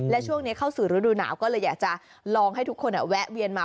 และช่วงนี้เข้าสู่ฤดูหนาวก็เลยอยากจะลองให้ทุกคนแวะเวียนมา